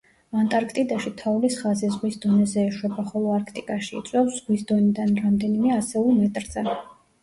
ანტარქტიდაში თოვლის ხაზი ზღვის დონეზე ეშვება, ხოლო არქტიკაში იწევს ზღვის დონიდან რამდენიმე ასეულ მეტრზე.